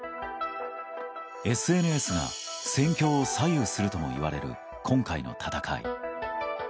ＳＮＳが戦況を左右するともいわれる今回の戦い。